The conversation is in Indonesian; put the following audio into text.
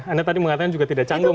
anda tadi mengatakan juga tidak canggung